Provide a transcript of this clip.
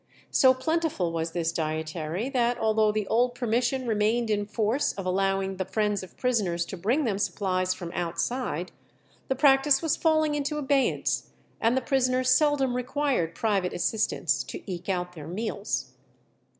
So plentiful was this dietary, that although the old permission remained in force of allowing the friends of prisoners to bring them supplies from outside, the practice was falling into abeyance, and the prisoners seldom required private assistance to eke out their meals.